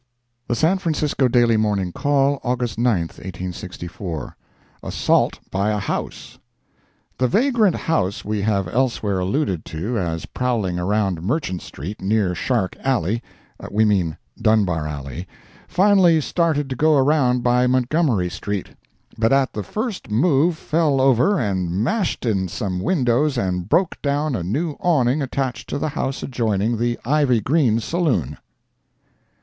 The San Francisco Daily Morning Call, August 9, 1864 ASSAULT BY A HOUSE The vagrant house we have elsewhere alluded to as prowling around Merchant street, near Shark alley—we mean Dunbar alley—finally started to go around by Montgomery street, but at the first move fell over and mashed in some windows and broke down a new awning attached to the house adjoining the "Ivy Green" saloon.